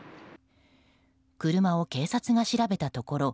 車を警察が調べたところ